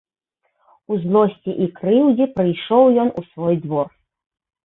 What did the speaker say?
У злосці і крыўдзе прыйшоў ён у свой двор.